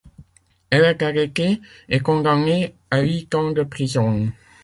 Elle est arrêtée et condamnée à huit ans de prison.